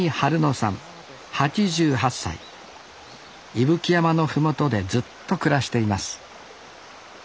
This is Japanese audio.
伊吹山の麓でずっと暮らしています